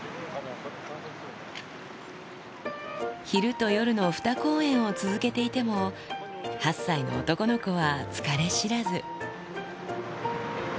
昼と夜の２公演を続けていても、８歳の男の子は疲れ知らず。